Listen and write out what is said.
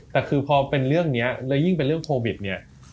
แต่คือพอเป็นเรื่องนี้แล้วยิ่งเป็นเรื่องโควิดเนี่ย